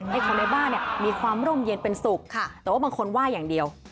ให้คนในบ้านเนี่ยมีความร่มเย็นเป็นสุขแต่ว่าบางคนไหว้อย่างเดียว